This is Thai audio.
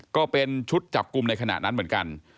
ก็เป็นชุดจับกลุ่มในขณะนั้นเหมือนกัน